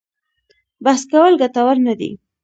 بحث کول ګټور نه دي.